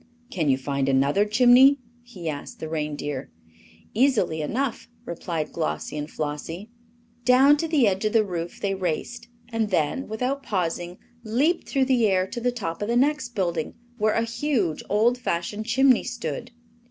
"Can you find another chimney?" he asked the reindeer. "Easily enough," replied Glossie and Flossie. Down to the edge of the roof they raced, and then, without pausing, leaped through the air to the top of the next building, where a huge, old fashioned chimney stood.